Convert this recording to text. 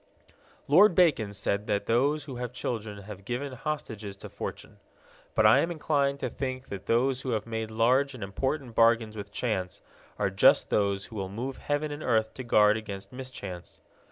Lord Bacon said that those who have children have given hostages to fortune. But I am inclined to think that those who have made large and important bargains with chance are just those who will move heaven and earth to guard against mischance.